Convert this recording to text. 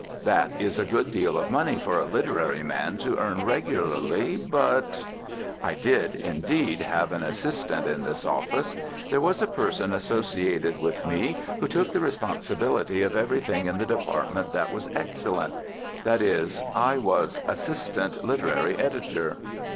That is a good deal of money for a literary man to earn regularly. But I did, indeed, have an assistant in this office; there was a person associated with me who took the responsibility of everything in the department that was excellent. That is, I was "assistant literary editor."